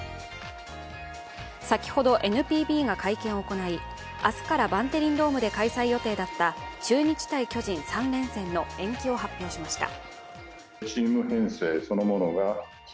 先ほどＮＰＢが会見を行い明日からバンテリンドームで開催予定だった中日×巨人３連戦の延期を発表しました。